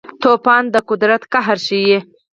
طوفان د قدرت قهر ښيي.